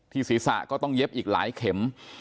ศีรษะก็ต้องเย็บอีกหลายเข็ม